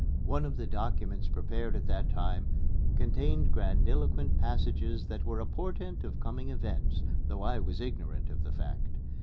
One of the documents prepared at that time contained grandiloquent passages that were a portent of coming events though I was ignorant of the fact.